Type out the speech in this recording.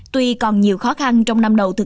tuy còn nhiều khó khăn